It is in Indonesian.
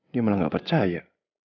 dia malah gak percaya